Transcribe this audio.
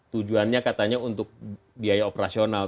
tujuannya katanya untuk biaya operasional